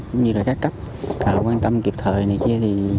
cũng như là các cấp quan tâm kịp thời